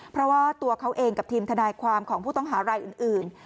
เพราะว่าตัวเขาเองกับทีมทนายความของผู้ต้องหารายอื่น